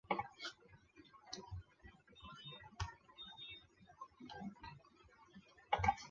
黎艾是广义省思义府慕德县知德总平安村沙平邑出生。